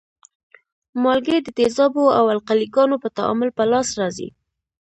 مالګې د تیزابو او القلي ګانو په تعامل په لاس راځي.